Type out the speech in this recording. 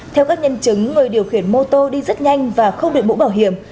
theo các nhân chứng người điều khiển mô tô đi rất nhanh và không được mũ bảo hiểm